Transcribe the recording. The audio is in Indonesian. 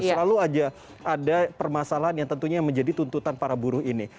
selalu aja ada permasalahan yang tentunya menjadi tuntutan para buruh ini